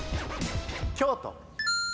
京都。